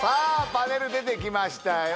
パネル出てきましたよ